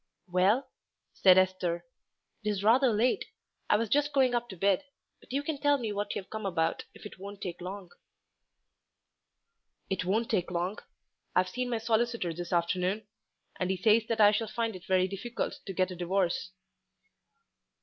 "Well," said Esther, "it is rather late. I was just going up to bed; but you can tell me what you've come about, if it won't take long." "It won't take long.... I've seen my solicitor this afternoon, and he says that I shall find it very difficult to get a divorce."